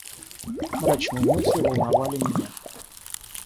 Мрачные мысли волновали меня.